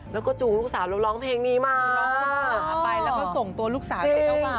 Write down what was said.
แล้วก็จูงลูกสาวเราร้องเพลงนี้มาร้องหลาไปแล้วก็ส่งตัวลูกสาวไปเจ้าบ่าว